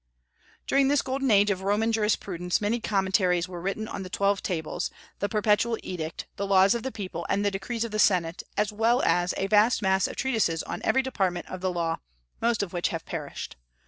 During this golden age of Roman jurisprudence many commentaries were written on the Twelve Tables, the Perpetual Edict, the Laws of the People, and the Decrees of the senate, as well as a vast mass of treatises on every department of the law, most of which have perished.